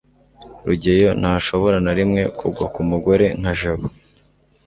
rugeyo ntashobora na rimwe kugwa kumugore nka jabo